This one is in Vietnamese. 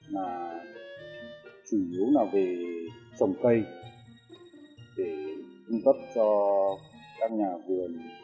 mà chủ yếu là về trồng cây để hương tất cho các nhà vườn